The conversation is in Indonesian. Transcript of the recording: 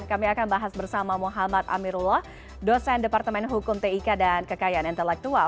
kami akan bahas bersama muhammad amirullah dosen departemen hukum tik dan kekayaan intelektual